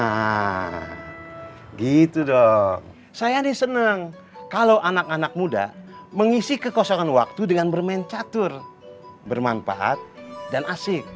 nah gitu dong saya ini senang kalau anak anak muda mengisi kekosongan waktu dengan bermain catur bermanfaat dan asik